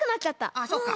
あっそうか。